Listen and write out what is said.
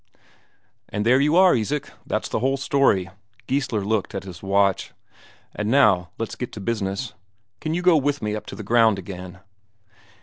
"And there you are, Isak, that's the whole story." Geissler looked at his watch. "And now let's get to business. Can you go with me up to the ground again?"